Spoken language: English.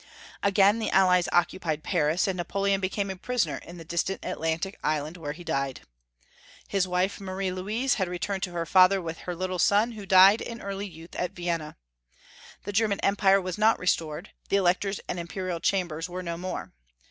Again the Allies occupied Paris, and Napoleon be came a prisoner in the distant Atlantic island where he died. His wife, Marie Louise, had re turned to her father with her little son, who died in early youth at Vienna. The Congress returned to its task at Vienna. The German Empire was not restored, and Electors and Imperial chambers were no more.